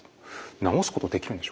治すことできるんでしょうか？